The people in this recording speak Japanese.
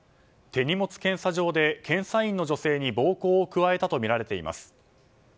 手荷物検査場で検査員の女性に暴行を加えたとみられています。